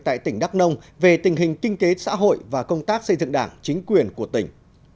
tại tỉnh đắk nông về tình hình kinh tế xã hội và công tác xây dựng đảng chính quyền của tỉnh